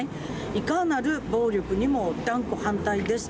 いかなる暴力にも断固反対です。